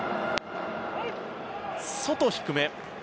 外、低め。